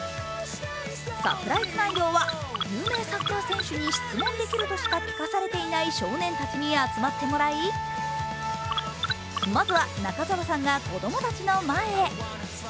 サプライズ内容は、有名サッカー選手に質問できるとしか聞かされていない少年たちに集まってもらい、まずは中澤さんが子供たちの前へ。